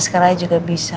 sekarang juga bisa